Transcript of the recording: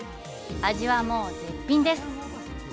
味はもう絶品です！